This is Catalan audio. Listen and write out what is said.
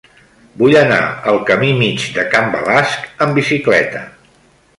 Vull anar al camí Mig de Can Balasc amb bicicleta.